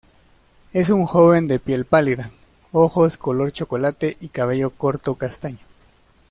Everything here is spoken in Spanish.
Es un joven de piel pálida, ojos color chocolate y cabello corto castaño.